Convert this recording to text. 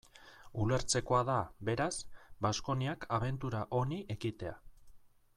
Ulertzekoa da, beraz, Baskoniak abentura honi ekitea.